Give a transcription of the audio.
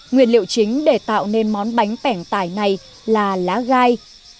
nguyên liệu chính để tạo nên món bánh bẻng tải này là lá gai